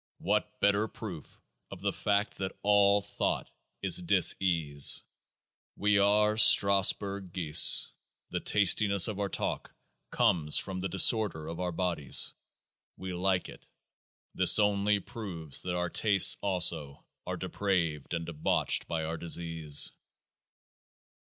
What better proof of the fact that all thought is dis ease? We are Strassburg geese ; the tastiness of our talk comes from the disorder of our bodies. We like it ; this only proves that our tastes also are depraved and debauched by our disease.